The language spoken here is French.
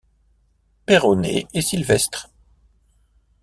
Peyronnet et Sylvestre.